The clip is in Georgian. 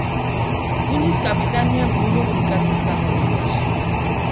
გუნდის კაპიტანია ბოლო დეკადის განმავლობაში.